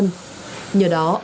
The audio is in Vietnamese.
nhờ đó anh không phải đợi